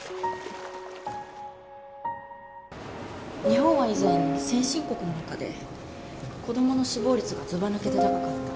日本は以前先進国の中で子供の死亡率がずばぬけて高かった。